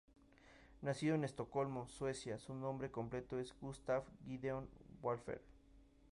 Nacido en Estocolmo, Suecia, su nombre completo era Gustaf Gideon Wahlberg.